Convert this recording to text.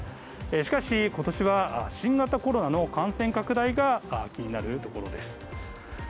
しかし、ことしは新型コロナの感染拡大が気になるところです。